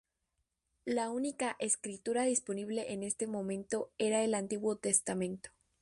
La única Escritura disponible en ese momento era el Antiguo Testamento.